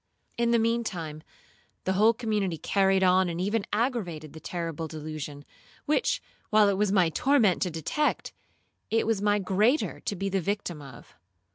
In the mean time the whole community carried on and even aggravated the terrible delusion, which, while it was my torment to detect, it was my greater to be the victim of.